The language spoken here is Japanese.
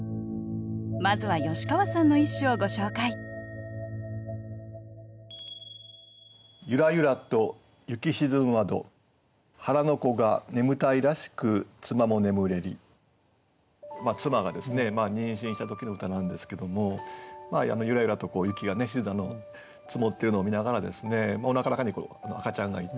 まずは吉川さんの一首をご紹介妻が妊娠した時の歌なんですけどもゆらゆらと雪が積もってるのを見ながらですねおなかの中に赤ちゃんがいて。